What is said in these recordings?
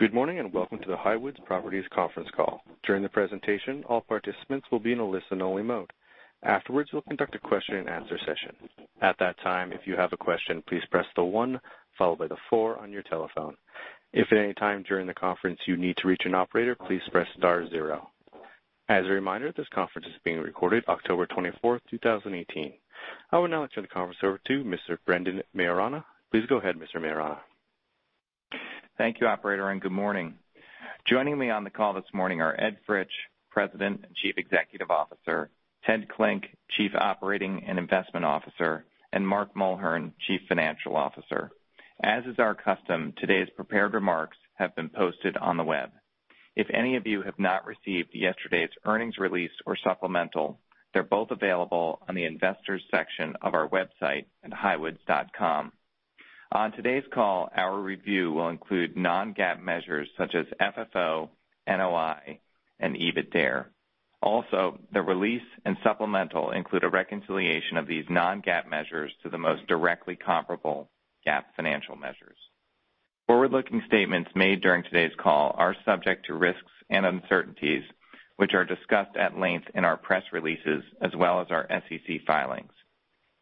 Good morning, welcome to the Highwoods Properties conference call. During the presentation, all participants will be in a listen-only mode. Afterwards, we'll conduct a question and answer session. At that time, if you have a question, please press the one followed by the four on your telephone. If at any time during the conference you need to reach an operator, please press star zero. As a reminder, this conference is being recorded October 24th, 2018. I will now turn the conference over to Mr. Brendan Maiorana. Please go ahead, Mr. Brendan Maiorana. Thank you operator, good morning. Joining me on the call this morning are Ed Fritsch, President and Chief Executive Officer, Ted Klinck, Chief Operating and Investment Officer, and Mark Mulhern, Chief Financial Officer. As is our custom, today's prepared remarks have been posted on the web. If any of you have not received yesterday's earnings release or supplemental, they're both available on the investors section of our website at highwoods.com. On today's call, our review will include non-GAAP measures such as FFO, NOI, and EBITDARE. Also, the release and supplemental include a reconciliation of these non-GAAP measures to the most directly comparable GAAP financial measures. Forward-looking statements made during today's call are subject to risks and uncertainties, which are discussed at length in our press releases as well as our SEC filings.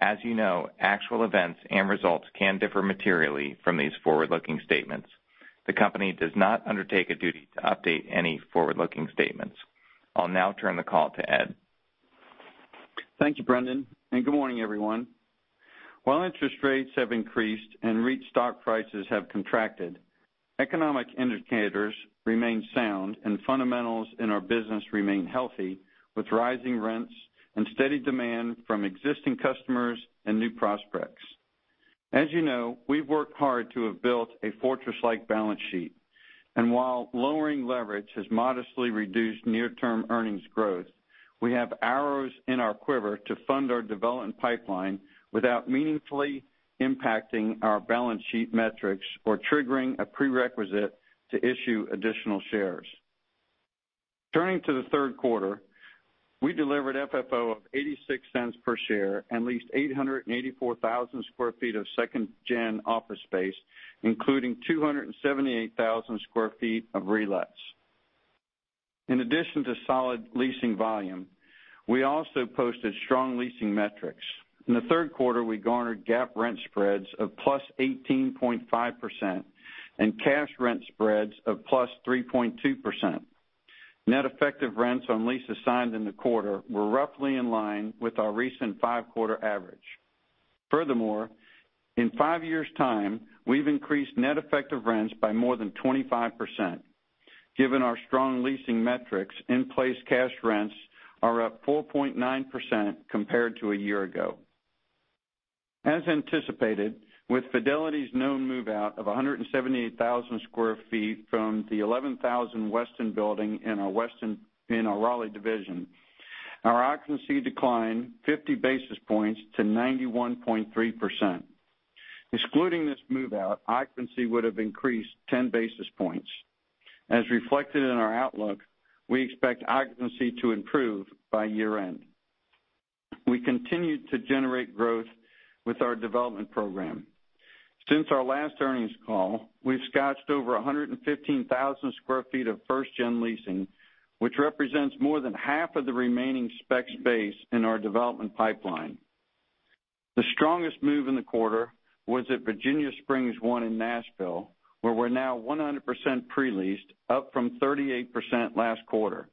As you know, actual events and results can differ materially from these forward-looking statements. The company does not undertake a duty to update any forward-looking statements. I'll now turn the call to Ed. Thank you, Brendan, good morning, everyone. While interest rates have increased and REIT stock prices have contracted, economic indicators remain sound, and fundamentals in our business remain healthy, with rising rents and steady demand from existing customers and new prospects. As you know, we've worked hard to have built a fortress-like balance sheet. While lowering leverage has modestly reduced near-term earnings growth, we have arrows in our quiver to fund our development pipeline without meaningfully impacting our balance sheet metrics or triggering a prerequisite to issue additional shares. Turning to the third quarter, we delivered FFO of $0.86 per share and leased 884,000 sq ft of second-gen office space, including 278,000 sq ft of relets. In addition to solid leasing volume, we also posted strong leasing metrics. In the third quarter, we garnered GAAP rent spreads of plus 18.5% and cash rent spreads of plus 3.2%. Net effective rents on leases signed in the quarter were roughly in line with our recent five-quarter average. Furthermore, in five years' time, we've increased net effective rents by more than 25%. Given our strong leasing metrics, in-place cash rents are up 4.9% compared to a year ago. As anticipated, with Fidelity's known move-out of 178,000 square feet from the 11000 Weston Parkway in our Raleigh division, our occupancy declined 50 basis points to 91.3%. Excluding this move-out, occupancy would've increased 10 basis points. As reflected in our outlook, we expect occupancy to improve by year-end. We continued to generate growth with our development program. Since our last earnings call, we've notched over 115,000 square feet of first-gen leasing, which represents more than half of the remaining spec space in our development pipeline. The strongest move in the quarter was at Virginia Springs I in Nashville, where we're now 100% pre-leased, up from 38% last quarter.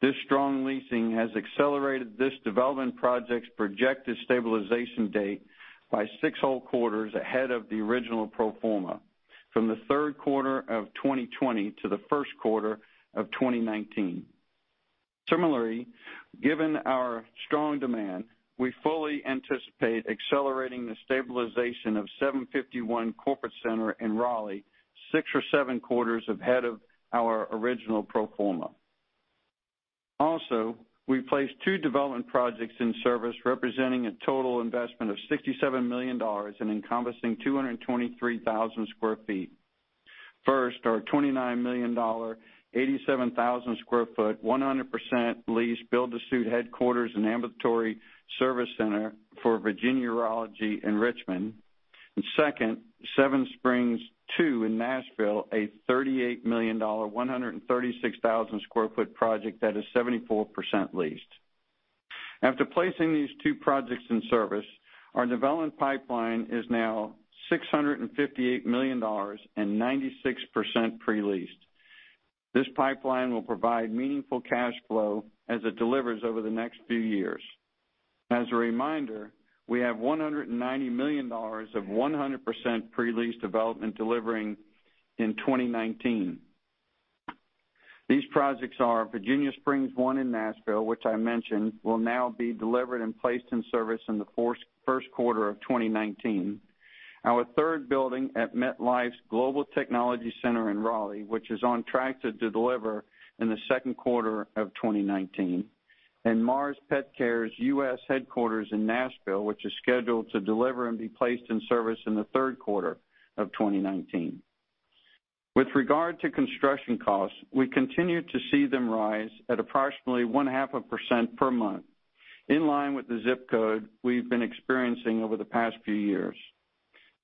This strong leasing has accelerated this development project's projected stabilization date by six whole quarters ahead of the original pro forma, from the third quarter of 2020 to the first quarter of 2019. Similarly, given our strong demand, we fully anticipate accelerating the stabilization of 751 Corporate Center in Raleigh six or seven quarters ahead of our original pro forma. We placed two development projects in service representing a total investment of $67 million and encompassing 223,000 square feet. First, our $29 million, 87,000 square foot, 100% leased, build-to-suit headquarters and ambulatory service center for Virginia Urology in Richmond. Second, Seven Springs II in Nashville, a $38 million 136,000 square foot project that is 74% leased. After placing these two projects in service, our development pipeline is now $658 million and 96% pre-leased. This pipeline will provide meaningful cash flow as it delivers over the next few years. As a reminder, we have $190 million of 100% pre-leased development delivering in 2019. These projects are Virginia Springs I in Nashville, which I mentioned, will now be delivered and placed in service in the first quarter of 2019. Our third building at MetLife Global Technology Campus in Raleigh, which is on track to deliver in the second quarter of 2019. Mars Petcare's U.S. headquarters in Nashville, which is scheduled to deliver and be placed in service in the third quarter of 2019. With regard to construction costs, we continue to see them rise at approximately one-half a percent per month. In line with the clip we've been experiencing over the past few years.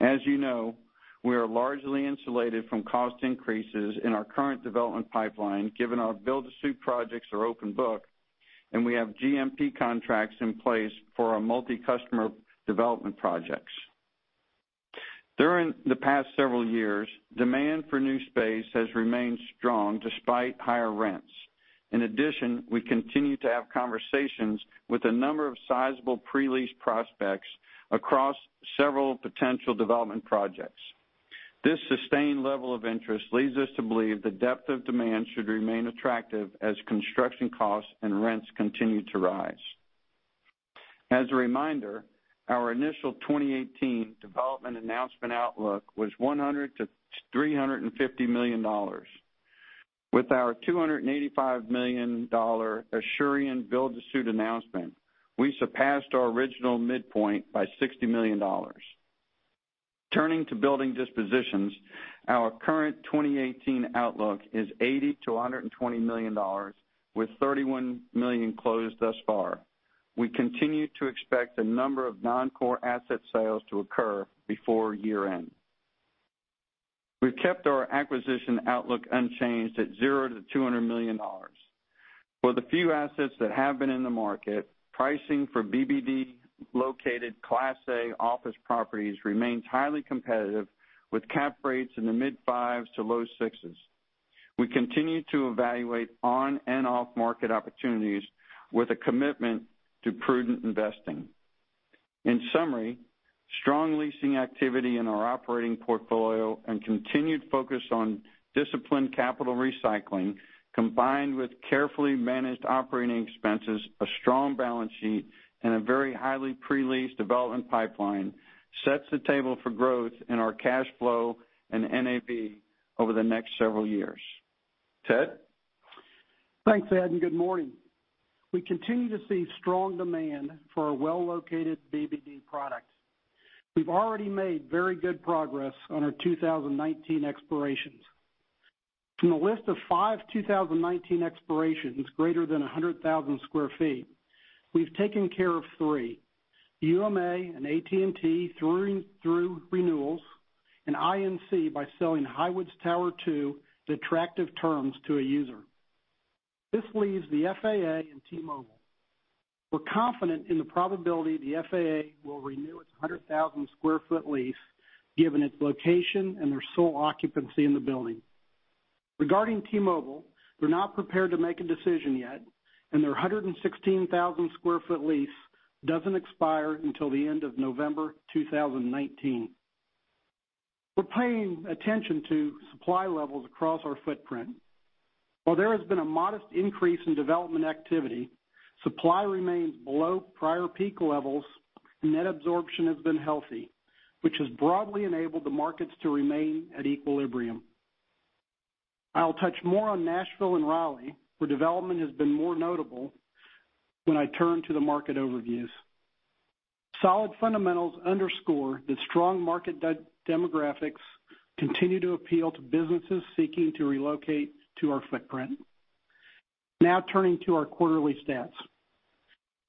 As you know, we are largely insulated from cost increases in our current development pipeline, given our build-to-suit projects are open book, and we have GMP contracts in place for our multi-customer development projects. During the past several years, demand for new space has remained strong despite higher rents. In addition, we continue to have conversations with a number of sizable pre-lease prospects across several potential development projects. This sustained level of interest leads us to believe the depth of demand should remain attractive as construction costs and rents continue to rise. As a reminder, our initial 2018 development announcement outlook was $100 million-$350 million. With our $285 million Asurion build-to-suit announcement, we surpassed our original midpoint by $60 million. Turning to building dispositions, our current 2018 outlook is $80 million-$120 million, with $31 million closed thus far. We continue to expect a number of non-core asset sales to occur before year-end. We've kept our acquisition outlook unchanged at $0-$200 million. For the few assets that have been in the market, pricing for BBD-located Class A office properties remains highly competitive, with cap rates in the mid-fives to low sixes. We continue to evaluate on and off-market opportunities with a commitment to prudent investing. In summary, strong leasing activity in our operating portfolio and continued focus on disciplined capital recycling, combined with carefully managed operating expenses, a strong balance sheet, and a very highly pre-leased development pipeline, sets the table for growth in our cash flow and NAV over the next several years. Ted? Thanks, Ed, and good morning. We continue to see strong demand for our well-located BBD products. We've already made very good progress on our 2019 expirations. From the list of five 2019 expirations greater than 100,000 square feet, we've taken care of three. UMA and AT&T through renewals, and INC by selling Highwoods Tower II at attractive terms to a user. This leaves the FAA and T-Mobile. We're confident in the probability the FAA will renew its 100,000 square foot lease given its location and their sole occupancy in the building. Regarding T-Mobile, they're not prepared to make a decision yet, and their 116,000 square foot lease doesn't expire until the end of November 2019. We're paying attention to supply levels across our footprint. While there has been a modest increase in development activity, supply remains below prior peak levels, net absorption has been healthy, which has broadly enabled the markets to remain at equilibrium. I'll touch more on Nashville and Raleigh, where development has been more notable, when I turn to the market overviews. Solid fundamentals underscore that strong market demographics continue to appeal to businesses seeking to relocate to our footprint. Now turning to our quarterly stats.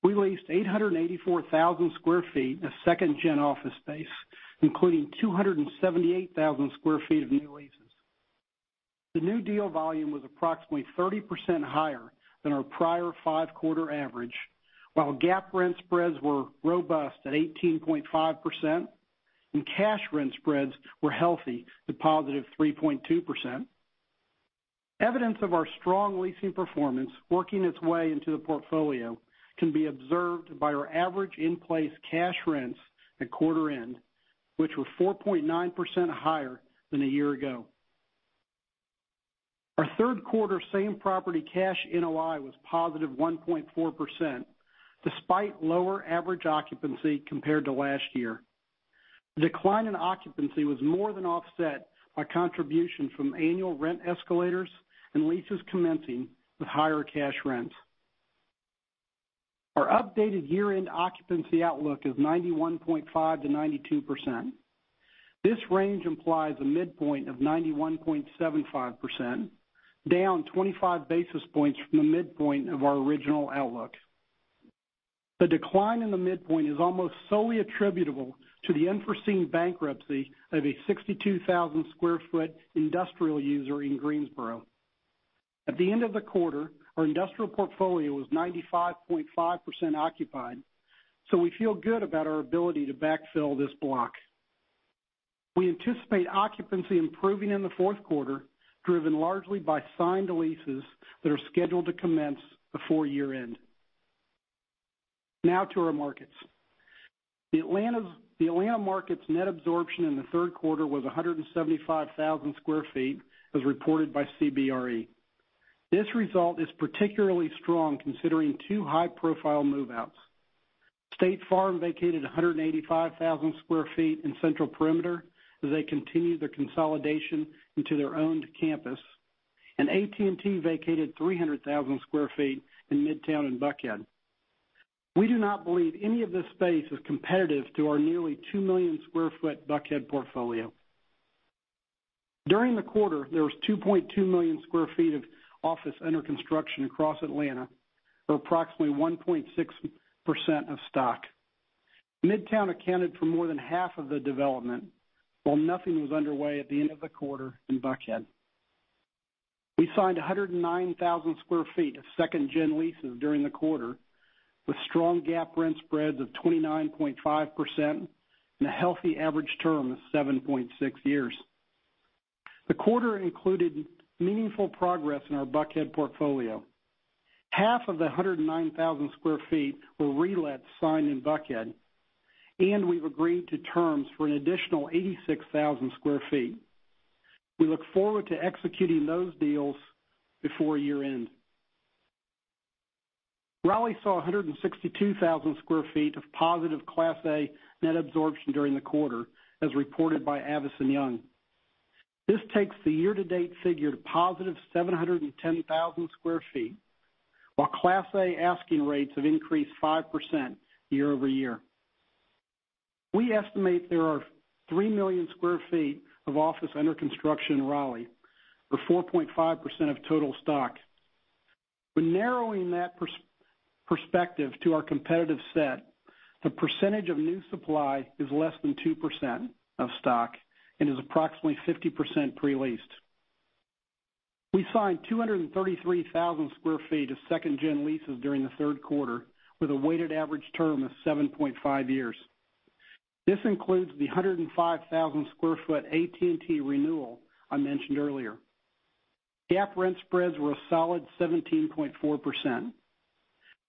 We leased 884,000 square feet of second-gen office space, including 278,000 square feet of new leases. The new deal volume was approximately 30% higher than our prior five-quarter average, while GAAP rent spreads were robust at 18.5%, and cash rent spreads were healthy at positive 3.2%. Evidence of our strong leasing performance working its way into the portfolio can be observed by our average in-place cash rents at quarter end, which were 4.9% higher than a year ago. Our third quarter same-property cash NOI was positive 1.4%, despite lower average occupancy compared to last year. The decline in occupancy was more than offset by contributions from annual rent escalators and leases commencing with higher cash rents. Our updated year-end occupancy outlook is 91.5%-92%. This range implies a midpoint of 91.75%, down 25 basis points from the midpoint of our original outlook. The decline in the midpoint is almost solely attributable to the unforeseen bankruptcy of a 62,000 square foot industrial user in Greensboro. At the end of the quarter, our industrial portfolio was 95.5% occupied, so we feel good about our ability to backfill this block. We anticipate occupancy improving in the fourth quarter, driven largely by signed leases that are scheduled to commence before year-end. Now to our markets. The Atlanta market's net absorption in the third quarter was 175,000 sq ft, as reported by CBRE. This result is particularly strong considering two high-profile move-outs. State Farm vacated 185,000 sq ft in Central Perimeter as they continue their consolidation into their owned campus. AT&T vacated 300,000 sq ft in Midtown and Buckhead. We do not believe any of this space is competitive to our nearly two-million-square-foot Buckhead portfolio. During the quarter, there was 2.2 million sq ft of office under construction across Atlanta, or approximately 1.6% of stock. Midtown accounted for more than half of the development, while nothing was underway at the end of the quarter in Buckhead. We signed 109,000 sq ft of second-gen leases during the quarter, with strong GAAP rent spreads of 29.5% and a healthy average term of 7.6 years. The quarter included meaningful progress in our Buckhead portfolio. Half of the 109,000 sq ft were relets signed in Buckhead. We've agreed to terms for an additional 86,000 sq ft. We look forward to executing those deals before year-end. Raleigh saw 162,000 sq ft of positive Class A net absorption during the quarter, as reported by Avison Young. This takes the year-to-date figure to positive 710,000 sq ft, while Class A asking rates have increased 5% year-over-year. We estimate there are 3 million sq ft of office under construction in Raleigh, or 4.5% of total stock. We're narrowing that perspective to our competitive set. The percentage of new supply is less than 2% of stock and is approximately 50% pre-leased. We signed 233,000 sq ft of second-gen leases during the third quarter, with a weighted average term of 7.5 years. This includes the 105,000 sq ft AT&T renewal I mentioned earlier. GAAP rent spreads were a solid 17.4%.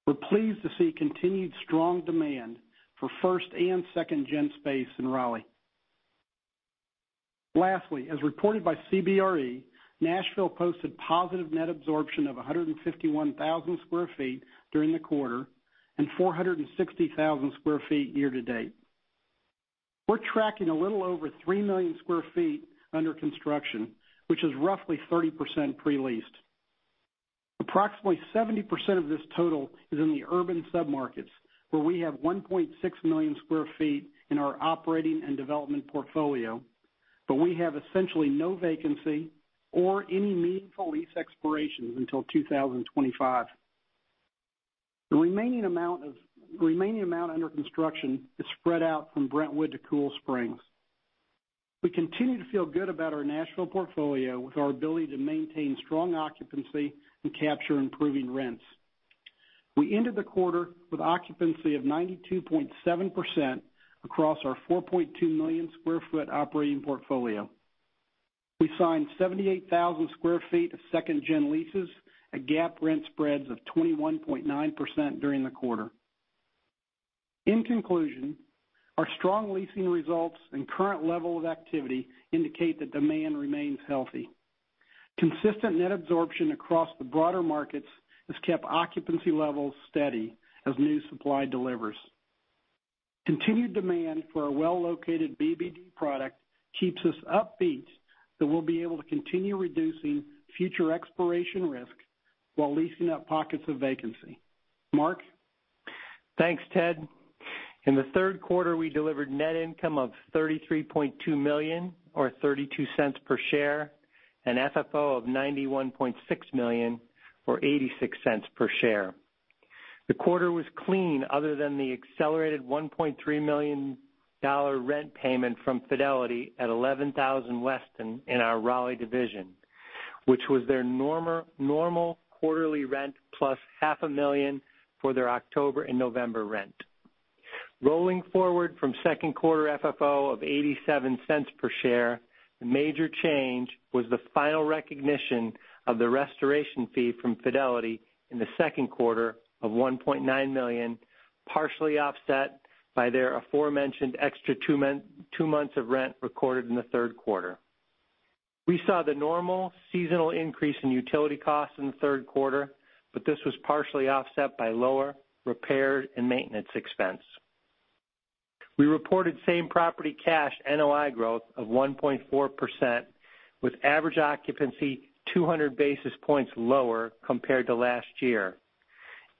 We're pleased to see continued strong demand for first and second-gen space in Raleigh. Lastly, as reported by CBRE, Nashville posted positive net absorption of 151,000 sq ft during the quarter and 460,000 sq ft year-to-date. We're tracking a little over 3 million sq ft under construction, which is roughly 30% pre-leased. Approximately 70% of this total is in the urban submarkets, where we have 1.6 million sq ft in our operating and development portfolio, but we have essentially no vacancy or any meaningful lease expirations until 2025. The remaining amount under construction is spread out from Brentwood to Cool Springs. We continue to feel good about our national portfolio, with our ability to maintain strong occupancy and capture improving rents. We ended the quarter with occupancy of 92.7% across our 4.2 million sq ft operating portfolio. We signed 78,000 sq ft of second-gen leases at GAAP rent spreads of 21.9% during the quarter. In conclusion, our strong leasing results and current level of activity indicate that demand remains healthy. Consistent net absorption across the broader markets has kept occupancy levels steady as new supply delivers. Continued demand for our well-located BBD product keeps us upbeat that we'll be able to continue reducing future expiration risk while leasing up pockets of vacancy. Mark? Thanks, Ted. In the third quarter, we delivered net income of $33.2 million, or $0.32 per share, and FFO of $91.6 million or $0.86 per share. The quarter was clean other than the accelerated $1.3 million rent payment from Fidelity at 11000 Weston in our Raleigh division, which was their normal quarterly rent plus half a million for their October and November rent. Rolling forward from second quarter FFO of $0.87 per share, the major change was the final recognition of the restoration fee from Fidelity in the second quarter of $1.9 million. This was partially offset by their aforementioned extra two months of rent recorded in the third quarter. We saw the normal seasonal increase in utility costs in the third quarter. This was partially offset by lower repair and maintenance expense. We reported same-property cash NOI growth of 1.4%, with average occupancy 200 basis points lower compared to last year.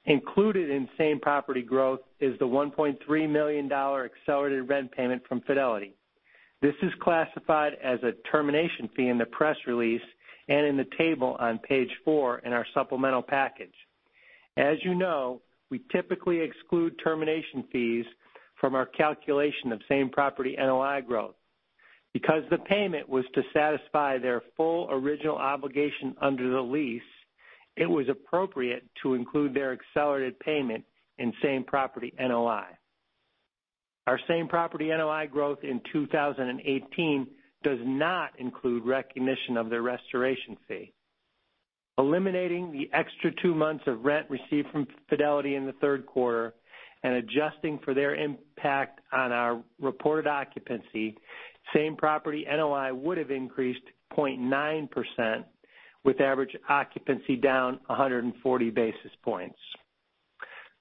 Included in same-property growth is the $1.3 million accelerated rent payment from Fidelity. This is classified as a termination fee in the press release and in the table on page four in our supplemental package. As you know, we typically exclude termination fees from our calculation of same-property NOI growth. Because the payment was to satisfy their full original obligation under the lease, it was appropriate to include their accelerated payment in same-property NOI. Our same-property NOI growth in 2018 does not include recognition of their restoration fee. Eliminating the extra two months of rent received from Fidelity in the third quarter and adjusting for their impact on our reported occupancy, same-property NOI would have increased 0.9%, with average occupancy down 140 basis points.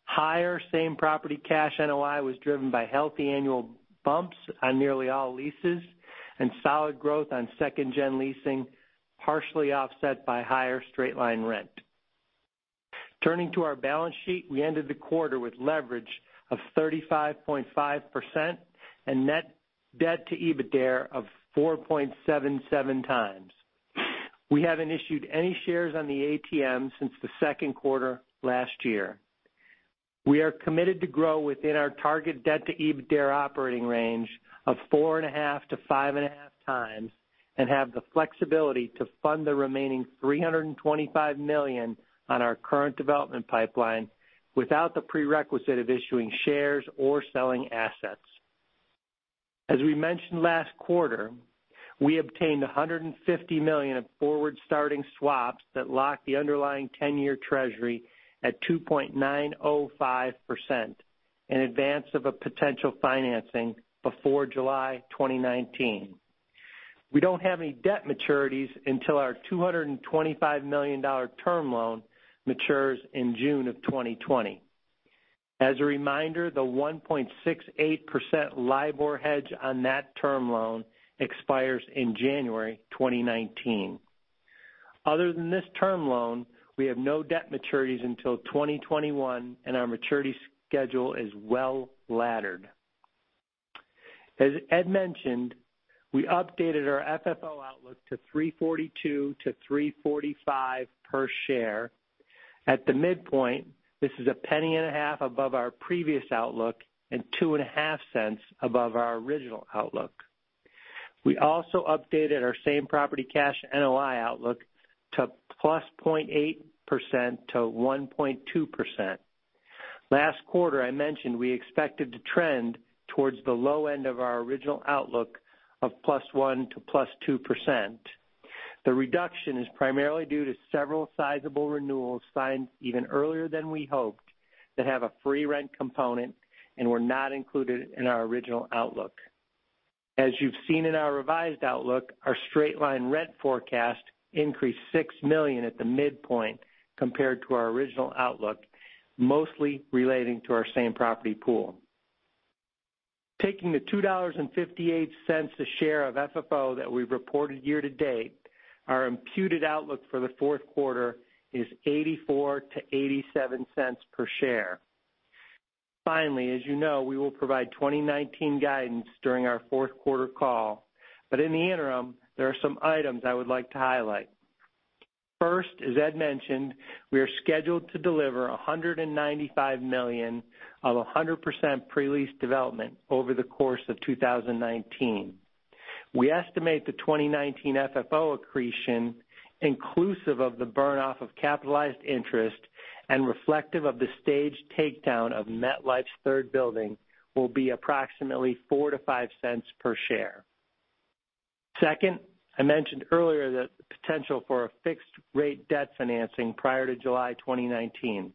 Higher same-property cash NOI was driven by healthy annual bumps on nearly all leases and solid growth on second-gen leasing, partially offset by higher straight-line rent. Turning to our balance sheet, we ended the quarter with leverage of 35.5% and net debt to EBITDA of 4.77 times. We haven't issued any shares on the ATM since the second quarter last year. We are committed to grow within our target debt to EBITDA operating range of four and a half to five and a half times, and have the flexibility to fund the remaining $325 million on our current development pipeline, without the prerequisite of issuing shares or selling assets. As we mentioned last quarter, we obtained $150 million of forward-starting swaps that lock the underlying 10-year Treasury at 2.905% in advance of a potential financing before July 2019. We don't have any debt maturities until our $225 million term loan matures in June of 2020. As a reminder, the 1.68% LIBOR hedge on that term loan expires in January 2019. Other than this term loan, we have no debt maturities until 2021, and our maturity schedule is well-laddered. As Ed mentioned, we updated our FFO outlook to $3.42 to $3.45 per share. At the midpoint, this is $0.015 above our previous outlook and $0.025 above our original outlook. We also updated our same property cash NOI outlook to +0.8% to 1.2%. Last quarter, I mentioned we expected to trend towards the low end of our original outlook of +1% to +2%. The reduction is primarily due to several sizable renewals signed even earlier than we hoped that have a free rent component and were not included in our original outlook. As you've seen in our revised outlook, our straight-line rent forecast increased $6 million at the midpoint compared to our original outlook, mostly relating to our same property pool. Taking the $2.58 a share of FFO that we've reported year to date, our imputed outlook for the fourth quarter is $0.84-$0.87 per share. In the interim, there are some items I would like to highlight. First, as Ed mentioned, we are scheduled to deliver $195 million of 100% pre-leased development over the course of 2019. We estimate the 2019 FFO accretion inclusive of the burn-off of capitalized interest and reflective of the staged takedown of MetLife's third building will be approximately $0.04-$0.05 per share. Second, I mentioned earlier the potential for a fixed-rate debt financing prior to July 2019.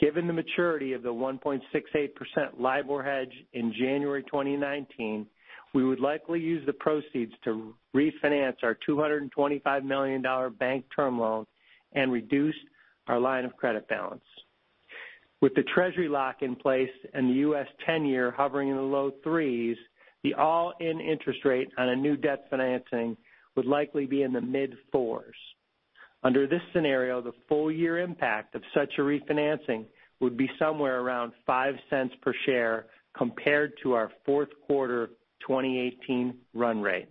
Given the maturity of the 1.68% LIBOR hedge in January 2019, we would likely use the proceeds to refinance our $225 million bank term loan and reduce our line of credit balance. With the Treasury lock in place and the U.S. 10-Year hovering in the low threes, the all-in interest rate on a new debt financing would likely be in the mid-fours. Under this scenario, the full-year impact of such a refinancing would be somewhere around $0.05 per share compared to our fourth quarter 2018 run rate.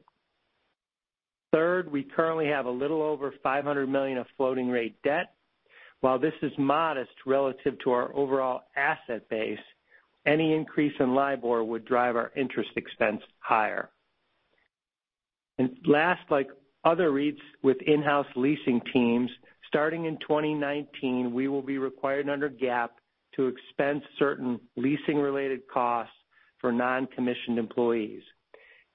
Third, we currently have a little over $500 million of floating rate debt. While this is modest relative to our overall asset base, any increase in LIBOR would drive our interest expense higher. Last, like other REITs with in-house leasing teams, starting in 2019, we will be required under GAAP to expense certain leasing-related costs for non-commissioned employees.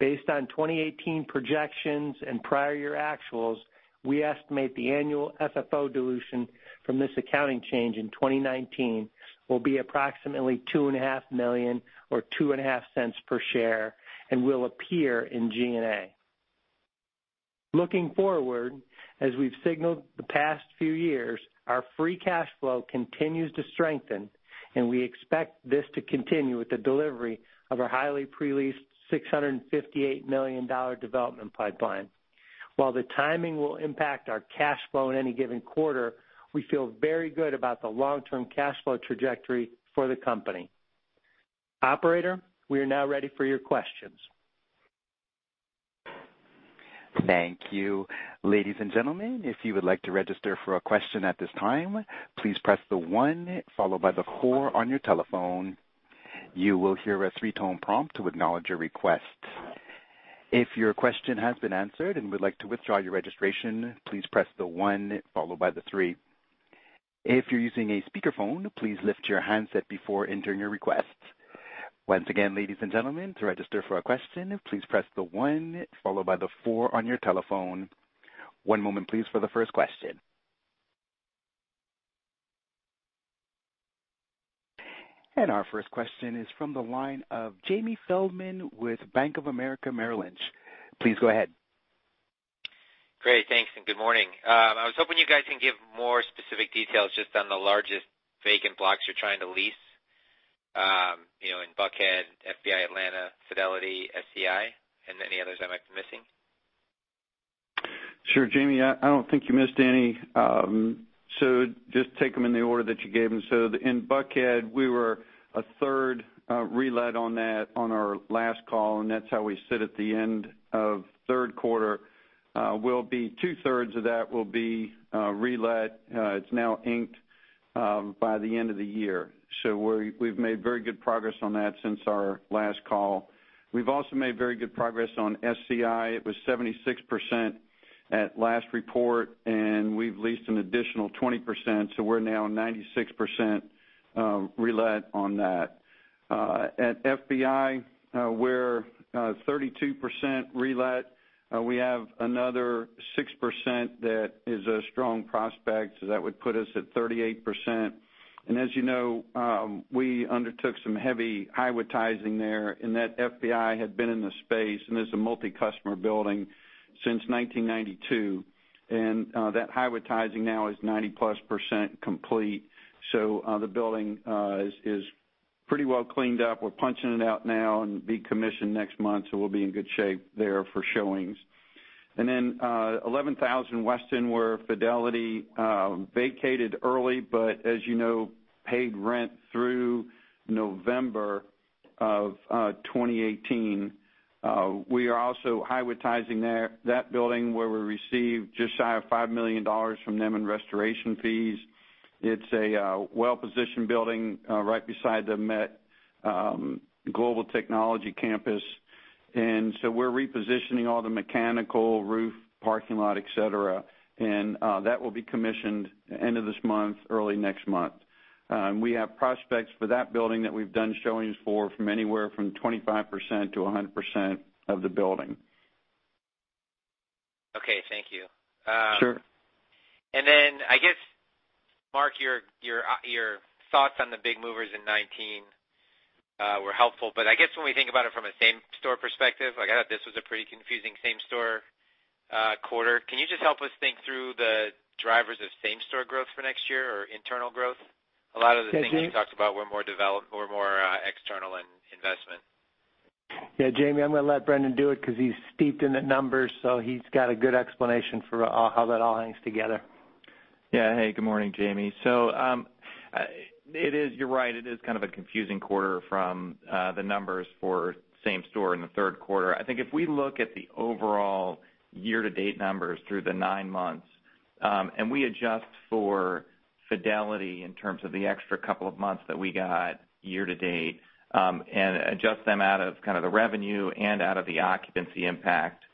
Based on 2018 projections and prior year actuals, we estimate the annual FFO dilution from this accounting change in 2019 will be approximately $2.5 million or $0.025 per share and will appear in G&A. Looking forward, as we've signaled the past few years, our free cash flow continues to strengthen, and we expect this to continue with the delivery of our highly pre-leased $658 million development pipeline. While the timing will impact our cash flow in any given quarter, we feel very good about the long-term cash flow trajectory for the company. Operator, we are now ready for your questions. Thank you. Ladies and gentlemen, if you would like to register for a question at this time, please press the one followed by the four on your telephone. You will hear a three-tone prompt to acknowledge your request. If your question has been answered and would like to withdraw your registration, please press the one followed by the three. If you're using a speakerphone, please lift your handset before entering your request. Once again, ladies and gentlemen, to register for a question, please press the one followed by the four on your telephone. One moment please for the first question. Our first question is from the line of Jamie Feldman with Bank of America Merrill Lynch. Please go ahead. Great. Thanks, and good morning. I was hoping you guys can give more specific details just on the largest vacant blocks you're trying to lease, in Buckhead, FBI Atlanta, Fidelity, FCI, and any others I might be missing. Sure, Jamie, I don't think you missed any. Just take them in the order that you gave them. In Buckhead, we were a third relet on that on our last call, and that's how we sit at the end of third quarter. Two-thirds of that will be relet. It's now inked by the end of the year. We've made very good progress on that since our last call. We've also made very good progress on SCI. It was 76% at last report, and we've leased an additional 20%, we're now 96% relet on that. At FBI, we're 32% relet. We have another 6% that is a strong prospect, that would put us at 38%. As you know, we undertook some heavy Highwoodtizing there, and that FBI had been in the space, and it's a multi-customer building, since 1992. That Highwoodtizing now is 90+% complete. The building is pretty well cleaned up. We're punching it out now and be commissioned next month, we'll be in good shape there for showings. 11000 Weston, where Fidelity vacated early, but as you know, paid rent through November of 2018. We are also Highwoodtizing that building, where we received just shy of $5 million from them in restoration fees. It's a well-positioned building right beside the MetLife Global Technology Campus. We're repositioning all the mechanical, roof, parking lot, et cetera, and that will be commissioned end of this month, early next month. We have prospects for that building that we've done showings for from anywhere from 25%-100% of the building. Okay. Thank you. Sure. I guess, Mark, your thoughts on the big movers in 2019 were helpful, but I guess when we think about it from a same-store perspective, I thought this was a pretty confusing same-store quarter. Can you just help us think through the drivers of same-store growth for next year or internal growth? Yeah, Jamie. A lot of the things you talked about were more external in investment. Jamie, I'm going to let Brendan do it because he's steeped in the numbers, he's got a good explanation for how that all hangs together. Good morning, Jamie. You're right, it is kind of a confusing quarter from the numbers for same-store in the third quarter. I think if we look at the overall year-to-date numbers through the nine months, we adjust for Fidelity Investments in terms of the extra couple of months that we got year-to-date, adjust them out of kind of the revenue and out of the occupancy impact.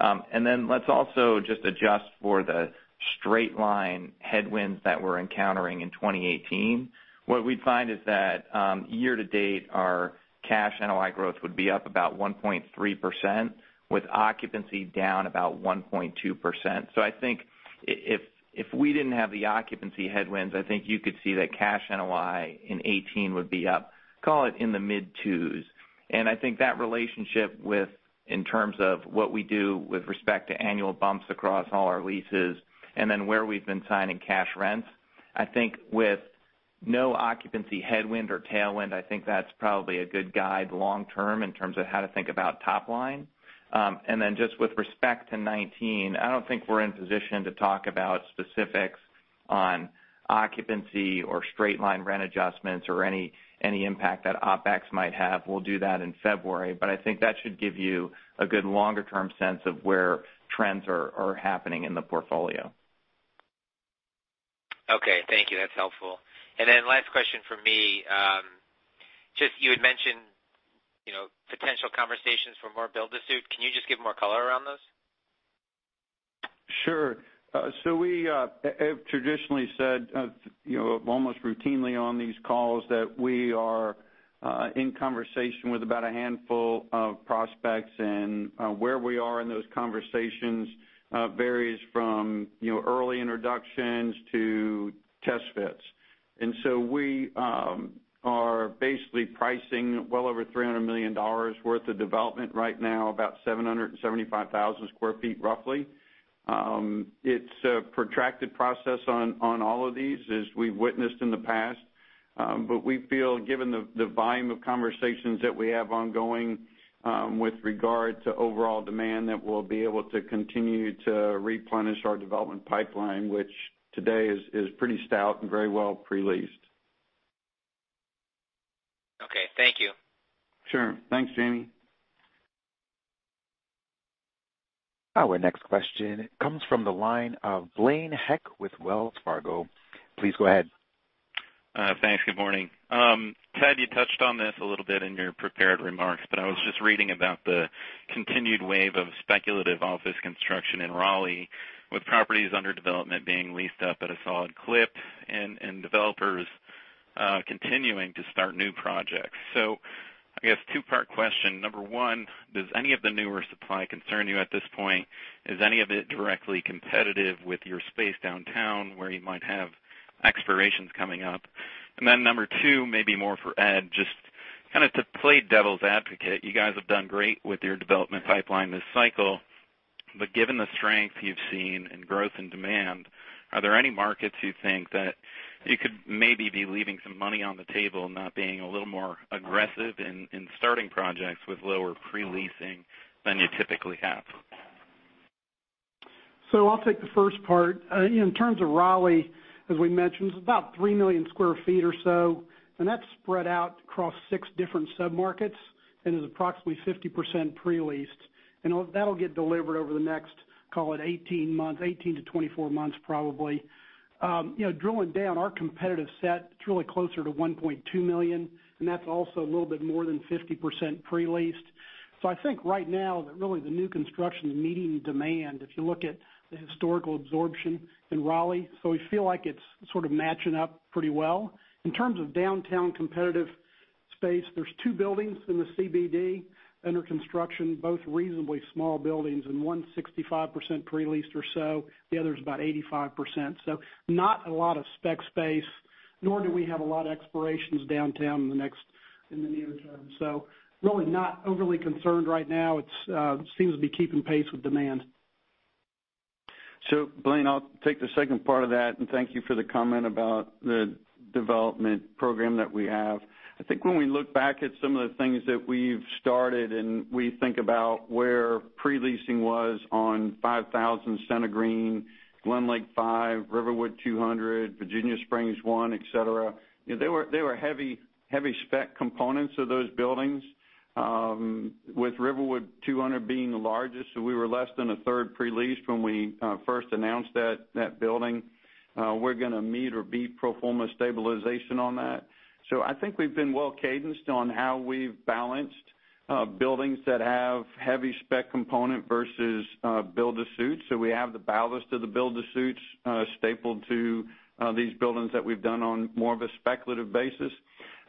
Let's also just adjust for the straight-line headwinds that we're encountering in 2018. What we'd find is that year-to-date, our cash NOI growth would be up about 1.3%, with occupancy down about 1.2%. I think if we didn't have the occupancy headwinds, I think you could see that cash NOI in 2018 would be up, call it in the mid 2s. I think that relationship in terms of what we do with respect to annual bumps across all our leases, where we've been signing cash rents. I think with no occupancy headwind or tailwind, I think that's probably a good long-term guide in terms of how to think about top line. Just with respect to 2019, I don't think we're in position to talk about specifics on occupancy or straight-line rent adjustments or any impact that OpEx might have. We'll do that in February. I think that should give you a good longer-term sense of where trends are happening in the portfolio. Thank you. That's helpful. Last question from me. Just you had mentioned potential conversations for more build-to-suit. Can you just give more color around those? We have traditionally said, almost routinely on these calls, that we are in conversation with about a handful of prospects, and where we are in those conversations varies from early introductions to test fits. We are basically pricing well over $300 million worth of development right now, about 775,000 square feet, roughly. It's a protracted process on all of these, as we've witnessed in the past. We feel, given the volume of conversations that we have ongoing with regard to overall demand, that we'll be able to continue to replenish our development pipeline, which today is pretty stout and very well pre-leased. Okay. Thank you. Sure. Thanks, Jamie. Our next question comes from the line of Blaine Heck with Wells Fargo. Please go ahead. Thanks. Good morning. Ted, you touched on this a little bit in your prepared remarks. I was just reading about the continued wave of speculative office construction in Raleigh, with properties under development being leased up at a solid clip and developers continuing to start new projects. I guess two-part question. Number 1, does any of the newer supply concern you at this point? Is any of it directly competitive with your space downtown, where you might have expirations coming up? Then Number 2, maybe more for Ed, just kind of to play devil's advocate. You guys have done great with your development pipeline this cycle. Given the strength you've seen in growth and demand, are there any markets you think that you could maybe be leaving some money on the table, not being a little more aggressive in starting projects with lower pre-leasing than you typically have? I'll take the first part. In terms of Raleigh, as we mentioned, it's about 3 million sq ft or so, that's spread out across six different sub-markets and is approximately 50% pre-leased. That'll get delivered over the next, call it 18-24 months, probably. Drilling down, our competitive set, it's really closer to 1.2 million sq ft, and that's also a little bit more than 50% pre-leased. I think right now, really the new construction is meeting the demand, if you look at the historical absorption in Raleigh. We feel like it's sort of matching up pretty well. In terms of downtown competitive space, there's two buildings in the CBD under construction, both reasonably small buildings, and one's 65% pre-leased or so, the other's about 85%. Not a lot of spec space, nor do we have a lot of expirations downtown in the near term. Really not overly concerned right now. It seems to be keeping pace with demand. Blaine, I'll take the second part of that, and thank you for the comment about the development program that we have. I think when we look back at some of the things that we've started and we think about where pre-leasing was on 5000 CentreGreen, GlenLake Five, Riverwood 200, Virginia Springs One, et cetera. There were heavy spec components of those buildings, with Riverwood 200 being the largest. We were less than a third pre-leased when we first announced that building. We're going to meet or beat pro forma stabilization on that. I think we've been well cadenced on how we've balanced buildings that have heavy spec component versus build to suit. I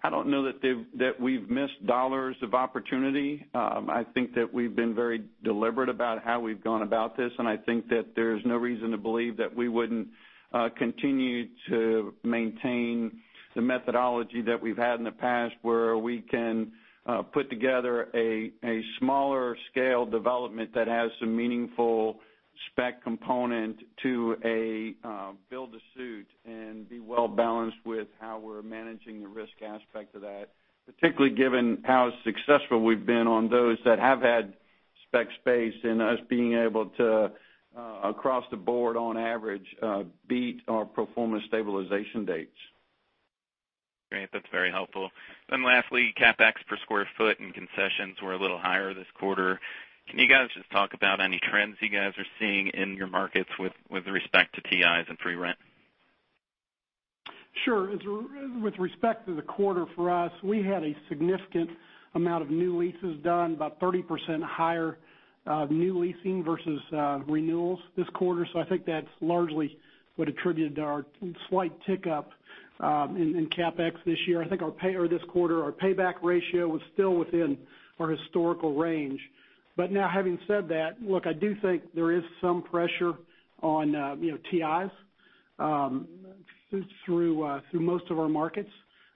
don't know that we've missed dollars of opportunity. I think that we've been very deliberate about how we've gone about this, and I think that there's no reason to believe that we wouldn't continue to maintain the methodology that we've had in the past, where we can put together a smaller scale development that has some meaningful spec component to a build to suit and be well balanced with how we're managing the risk aspect of that, particularly given how successful we've been on those that have had spec space and us being able to, across the board on average, beat our pro forma stabilization dates. Great. That's very helpful. Lastly, CapEx per square foot and concessions were a little higher this quarter. Can you guys just talk about any trends you guys are seeing in your markets with respect to TIs and free rent? Sure. With respect to the quarter for us, we had a significant amount of new leases done, about 30% higher new leasing versus renewals this quarter. I think that's largely what attributed to our slight tick up in CapEx this quarter. I think our payback ratio was still within our historical range. Now having said that, look, I do think there is some pressure on TIs through most of our markets.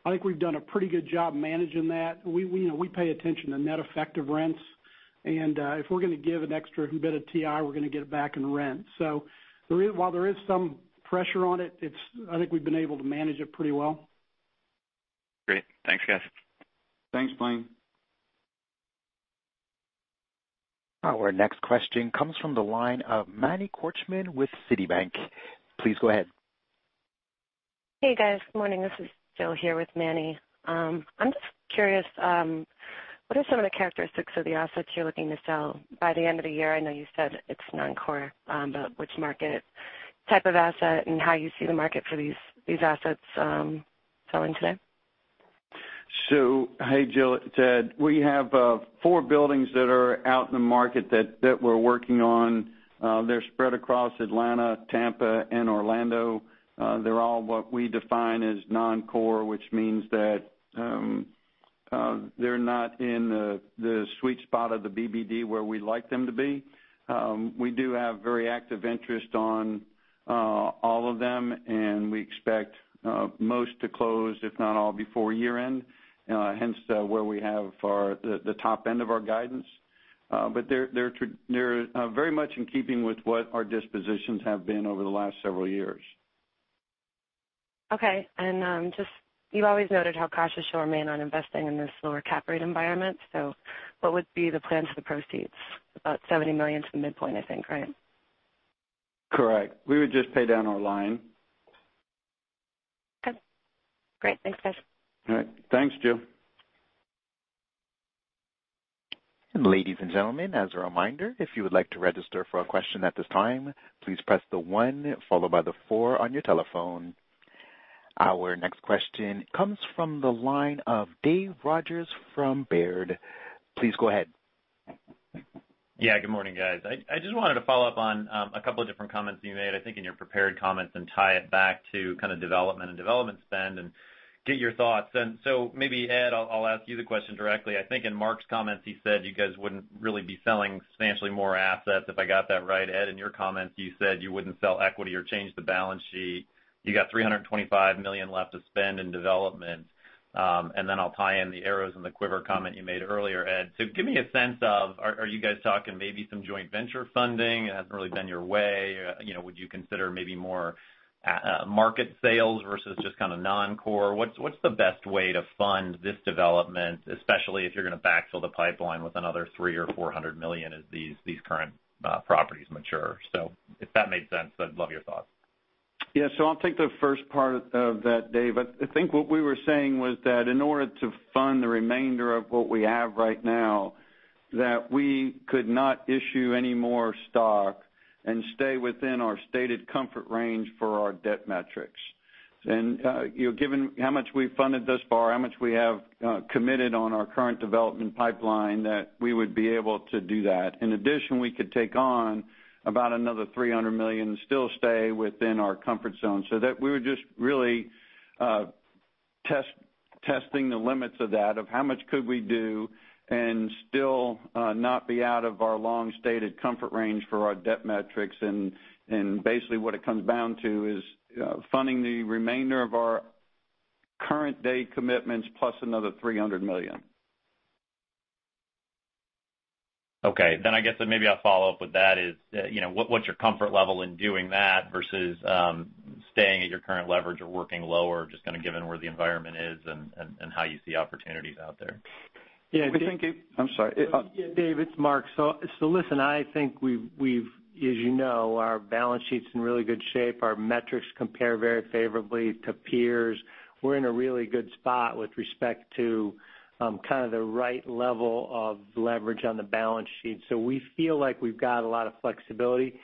I think we've done a pretty good job managing that. We pay attention to net effective rents, and if we're going to give an extra bit of TI, we're going to get it back in rent. While there is some pressure on it, I think we've been able to manage it pretty well. Great. Thanks, guys. Thanks, Blaine. Our next question comes from the line of Manny Korchman with Citigroup. Please go ahead. Hey, guys. Good morning. This is Jill here with Manny. I'm just curious, what are some of the characteristics of the assets you're looking to sell by the end of the year? I know you said it's non-core, but which market type of asset and how you see the market for these assets selling today? Hey, Jill. It's Ed. We have four buildings that are out in the market that we're working on. They're spread across Atlanta, Tampa, and Orlando. They're all what we define as non-core, which means that they're not in the sweet spot of the BBD where we'd like them to be. We do have very active interest on all of them, and we expect most to close, if not all, before year-end, hence where we have the top end of our guidance. They're very much in keeping with what our dispositions have been over the last several years. Okay. You've always noted how cautious you'll remain on investing in this lower cap rate environment. What would be the plan for the proceeds? About $70 million to the midpoint, I think, right? Correct. We would just pay down our line. Okay. Great. Thanks, guys. All right. Thanks, Jill. Ladies and gentlemen, as a reminder, if you would like to register for a question at this time, please press the one followed by the four on your telephone. Our next question comes from the line of Dave Rogers from Baird. Please go ahead. Yeah. Good morning, guys. I just wanted to follow up on a couple of different comments you made, I think, in your prepared comments and tie it back to kind of development and development spend and get your thoughts. Maybe, Ed, I'll ask you the question directly. I think in Mark's comments, he said you guys wouldn't really be selling substantially more assets, if I got that right. Ed, in your comments, you said you wouldn't sell equity or change the balance sheet. You got $325 million left to spend in development. Then I'll tie in the arrows and the quiver comment you made earlier, Ed. Give me a sense of, are you guys talking maybe some joint venture funding? It hasn't really been your way. Would you consider maybe more market sales versus just kind of non-core? What's the best way to fund this development, especially if you're going to backfill the pipeline with another $300 million or $400 million as these current properties mature? If that made sense, I'd love your thoughts. I'll take the first part of that, Dave. I think what we were saying was that in order to fund the remainder of what we have right now, that we could not issue any more stock and stay within our stated comfort range for our debt metrics. Given how much we've funded thus far, how much we have committed on our current development pipeline, that we would be able to do that. In addition, we could take on about another $300 million and still stay within our comfort zone. We were just really testing the limits of that, of how much could we do and still not be out of our long-stated comfort range for our debt metrics. Basically what it comes down to is funding the remainder of our current day commitments plus another $300 million. Okay. I guess that maybe I'll follow up with that is, what's your comfort level in doing that versus staying at your current leverage or working lower, just kind of given where the environment is and how you see opportunities out there? Yeah. I think I'm sorry. Yeah, Dave, it's Mark. Listen, I think as you know, our balance sheet's in really good shape. Our metrics compare very favorably to peers. We're in a really good spot with respect to kind of the right level of leverage on the balance sheet. We feel like we've got a lot of flexibility.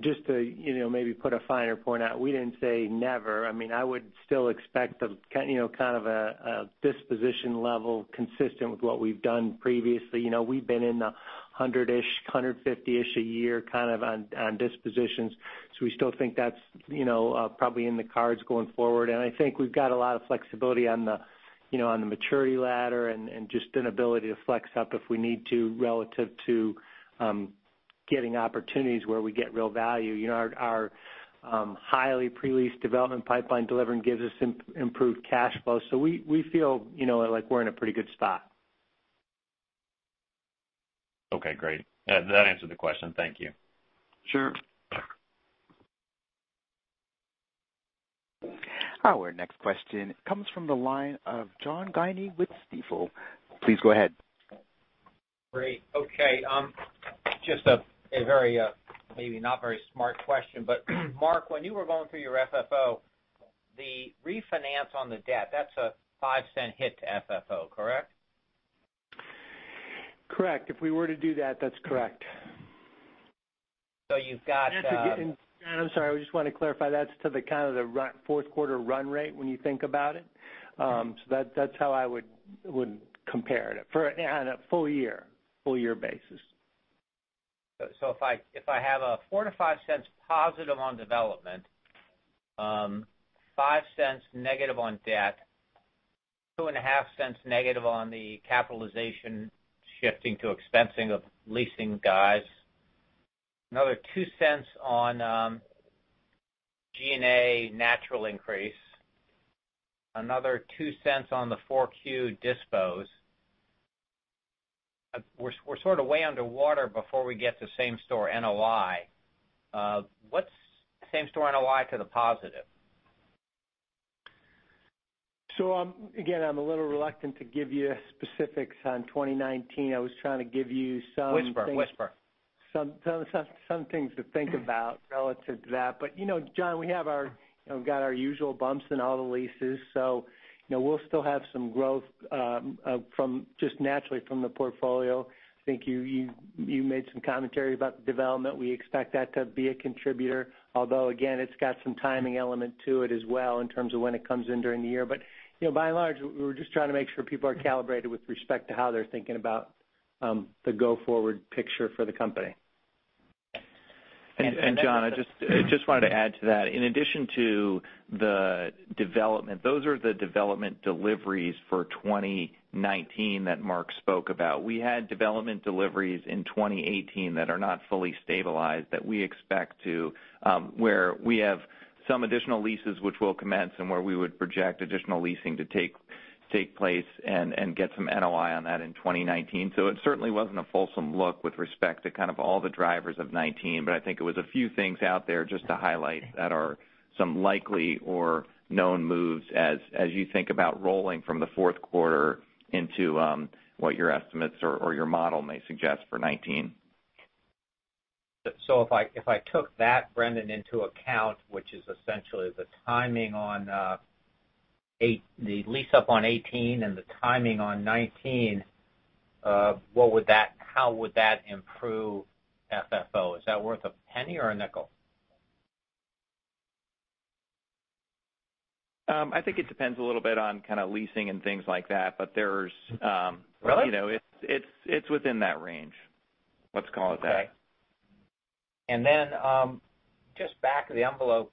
Just to maybe put a finer point out, we didn't say never. I mean, I would still expect kind of a disposition level consistent with what we've done previously. We've been in the $100-ish, $150-ish a year kind of on dispositions. We still think that's probably in the cards going forward. I think we've got a lot of flexibility on the maturity ladder and just an ability to flex up if we need to relative to getting opportunities where we get real value. Our highly pre-leased development pipeline delivering gives us improved cash flow. We feel like we're in a pretty good spot. Okay, great. That answered the question. Thank you. Sure. Our next question comes from the line of John Guinee with Stifel. Please go ahead. Great. Okay. Just a very, maybe not very smart question, Mark, when you were going through your FFO, the refinance on the debt, that's a $0.05 hit to FFO, correct? Correct. If we were to do that's correct. So you've got- To get in, John, I'm sorry, I just want to clarify, that's to the kind of the fourth quarter run rate when you think about it. That's how I would compare it on a full year basis. If I have a $0.04-$0.05 positive on development, $0.05 negative on debt, $0.025 negative on the capitalization shifting to expensing of leasing guys, another $0.02 on G&A natural increase, another $0.02 on the 4Q dispos. We're sort of way underwater before we get to same store NOI. What's same store NOI to the positive? Again, I'm a little reluctant to give you specifics on 2019. I was trying to give you some things. Whisper Some things to think about relative to that. John, we have our usual bumps in all the leases, we'll still have some growth just naturally from the portfolio. I think you made some commentary about the development. We expect that to be a contributor, although, again, it's got some timing element to it as well in terms of when it comes in during the year. By and large, we're just trying to make sure people are calibrated with respect to how they're thinking about the go forward picture for the company. John, I just wanted to add to that. In addition to the development, those are the development deliveries for 2019 that Mark spoke about. We had development deliveries in 2018 that are not fully stabilized that we expect where we have some additional leases which will commence and where we would project additional leasing to take place and get some NOI on that in 2019. It certainly wasn't a fulsome look with respect to kind of all the drivers of 2019, but I think it was a few things out there just to highlight that are some likely or known moves as you think about rolling from the fourth quarter into what your estimates or your model may suggest for 2019. If I took that, Brendan, into account, which is essentially the timing on the lease up on 2018 and the timing on 2019, how would that improve FFO? Is that worth a penny or a nickel? I think it depends a little bit on kind of leasing and things like that, but there's- Really? It's within that range, let's call it that. Okay. Just back of the envelope,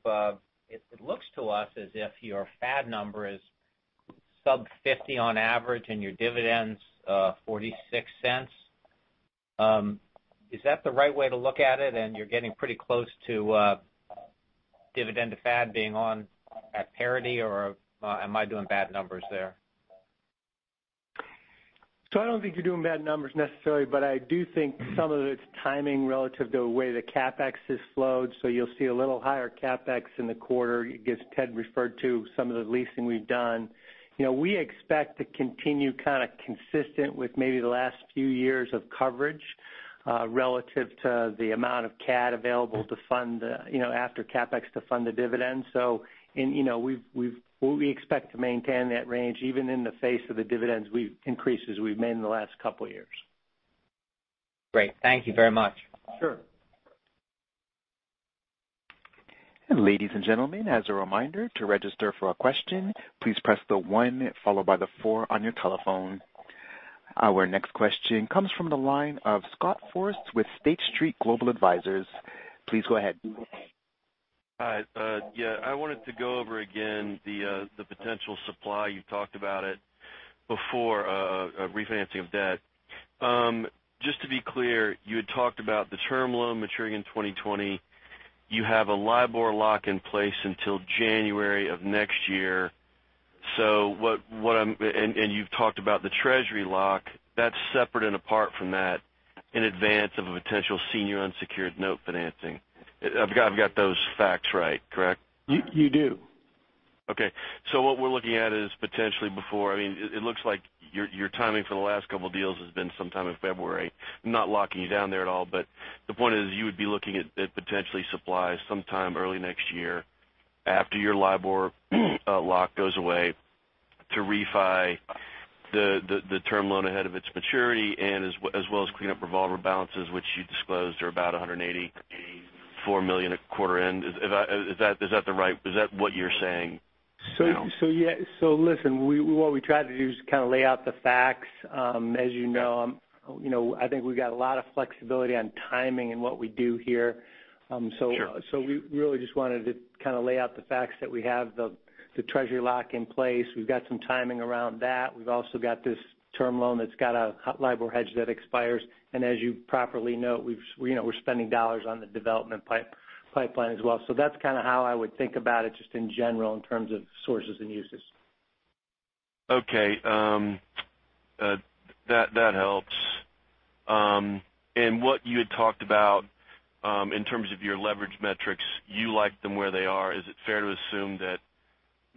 it looks to us as if your FAD number is sub 50 on average and your dividend's $0.46. Is that the right way to look at it and you're getting pretty close to dividend to FAD being on at parity, or am I doing bad numbers there? I don't think you're doing bad numbers necessarily, but I do think some of it's timing relative to the way the CapEx has flowed. You'll see a little higher CapEx in the quarter. I guess Ted referred to some of the leasing we've done. We expect to continue kind of consistent with maybe the last few years of coverage. Relative to the amount of CAD available after CapEx to fund the dividend. We expect to maintain that range even in the face of the dividends increases we've made in the last couple of years. Great. Thank you very much. Sure. Ladies and gentlemen, as a reminder, to register for a question, please press the one followed by the four on your telephone. Our next question comes from the line of Scott Forrest with State Street Global Advisors. Please go ahead. Hi. I wanted to go over again the potential supply. You talked about it before, refinancing of debt. Just to be clear, you had talked about the term loan maturing in 2020. You have a LIBOR lock in place until January of next year. You've talked about the Treasury lock. That's separate and apart from that in advance of a potential senior unsecured note financing. I've got those facts right, correct? You do. Okay. What we're looking at is potentially before, it looks like your timing for the last couple deals has been sometime in February. I'm not locking you down there at all, but the point is, you would be looking at potentially supply sometime early next year after your LIBOR lock goes away to refi the term loan ahead of its maturity, as well as clean up revolver balances, which you disclosed are about $184 million at quarter end. Is that what you're saying now? Listen, what we tried to do is lay out the facts. As you know, I think we got a lot of flexibility on timing in what we do here. Sure. We really just wanted to lay out the facts that we have the Treasury lock in place. We've got some timing around that. We've also got this term loan that's got a LIBOR hedge that expires. As you properly note, we're spending dollars on the development pipeline as well. That's how I would think about it, just in general, in terms of sources and uses. Okay. That helps. What you had talked about in terms of your leverage metrics, you like them where they are. Is it fair to assume that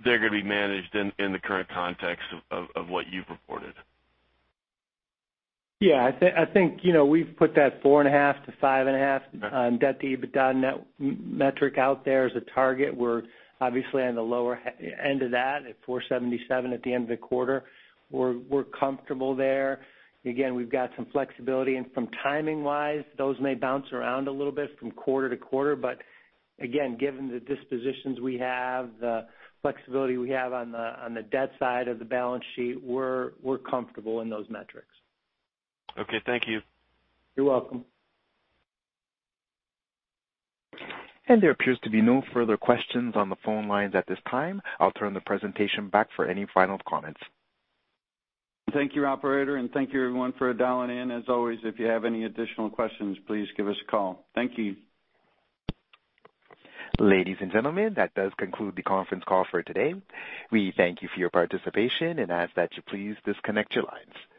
they're going to be managed in the current context of what you've reported? Yeah. I think we've put that 4.5-5.5 debt-to-EBITDA metric out there as a target. We're obviously on the lower end of that at 4.77 at the end of the quarter. We're comfortable there. Again, we've got some flexibility and from timing-wise, those may bounce around a little bit from quarter to quarter. Again, given the dispositions we have, the flexibility we have on the debt side of the balance sheet, we're comfortable in those metrics. Okay. Thank you. You're welcome. There appears to be no further questions on the phone lines at this time. I'll turn the presentation back for any final comments. Thank you, operator, and thank you everyone for dialing in. As always, if you have any additional questions, please give us a call. Thank you. Ladies and gentlemen, that does conclude the conference call for today. We thank you for your participation and ask that you please disconnect your lines.